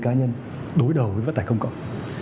cá nhân đối đầu với vận tải công cộng